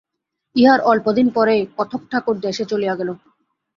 ইহার অল্পদিন পরেই কথকঠাকুর দেশে চলিয়া গেল।